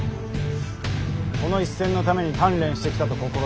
この一戦のために鍛錬してきたと心得よ。